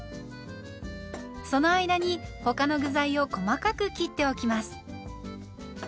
その間に他の具材を細かく切っておきます。